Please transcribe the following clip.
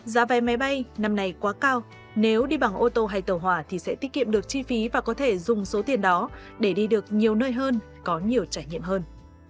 giá vé máy bay năm nay quá cao nếu đi bằng ô tô hay tàu hỏa thì sẽ tiết kiệm được chi phí và có thể dùng số tiền đó để đi được nhiều nơi hơn có nhiều trải nghiệm hơn